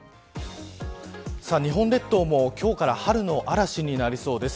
日本列島も今日から春の嵐になりそうです。